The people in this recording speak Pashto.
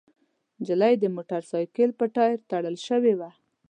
نجلۍ د موټرسايکل په ټاير تړل شوې وه.